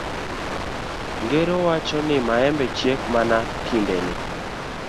Ngero wacho ni maembe chiek mana e kindene.